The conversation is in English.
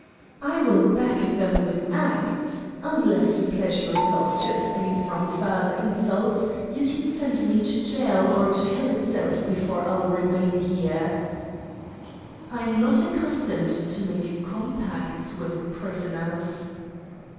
"I will back them with acts. Unless you pledge yourself to abstain from further insults, you can send me to jail or to hell itself before I'll remain here." "I'm not accustomed to make compacts with prisoners."